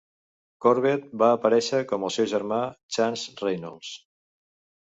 Corbett va aparèixer com el seu germà, Chance Reynolds.